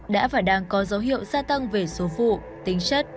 đã và đang có dấu hiệu gia tăng về số vụ tính chất